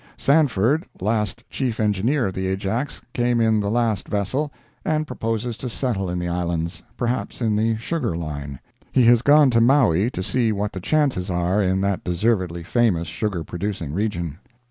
Sanford, last Chief Engineer of the Ajax, came in the last vessel, and proposes to settle in the islands—perhaps in the sugar line. He has gone to Maui to see what the chances are in that deservedly famous sugar producing region.